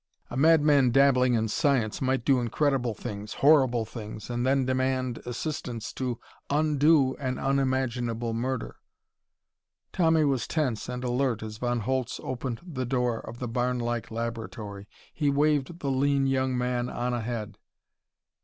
A madman dabbling in science might do incredible things, horrible things, and then demand assistance to undo an unimaginable murder.... Tommy was tense and alert as Von Holtz opened the door of the barnlike laboratory. He waved the lean young man on ahead.